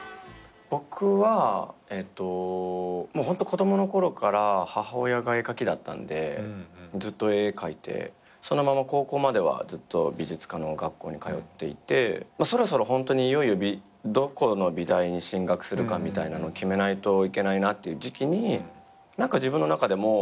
僕はホント子供のころから母親が絵描きだったんでずっと絵描いてそのまま高校まではずっと美術科の学校に通っていてそろそろホントにいよいよどこの美大に進学するかみたいなのを決めないといけないなっていう時期に何か自分の中でもう。